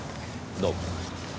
どうも。